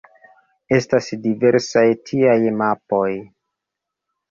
Estas diversaj tiaj mapoj.